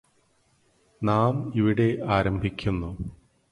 നാം ഇവിടെ ആരംഭിക്കുന്നു